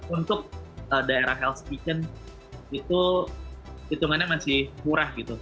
untuk daerah health speachen itu hitungannya masih murah gitu